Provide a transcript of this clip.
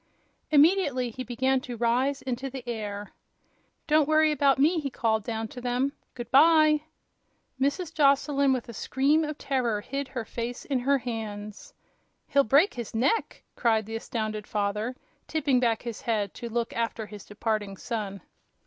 Immediately he began to rise into the air. "Don't worry about me!" he called down to them. "Good by!" Mrs. Joslyn, with a scream of terror, hid her face in her hands. "He'll break his neck!" cried the astounded father, tipping back his head to look after his departing son.